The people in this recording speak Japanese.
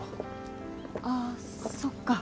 ああそっか。